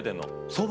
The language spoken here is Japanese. そば。